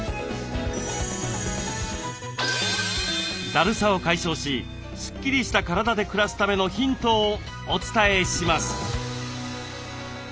だるさを解消しスッキリした体で暮らすためのヒントをお伝えします。